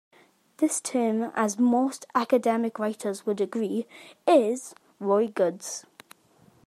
This term, as most academic writers would agree, is Roy Goode's.